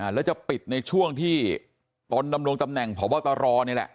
แล้วจะปิดในช่วงที่ตนดำรงตำแหน่งพบตรนี่แหละ